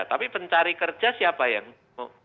tapi pencari kerja siapa yang mau